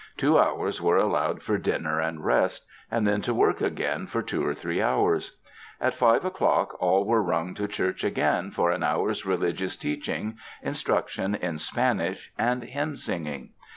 Two hours were allowed for din ner and rest; and then to work again for two or three hours. At five o'clock all were rung to church again for an hour's religious teaching, instruction in Spanish and hymn singing.